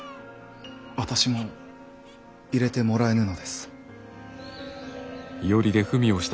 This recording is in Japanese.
私も入れてもらえぬのです。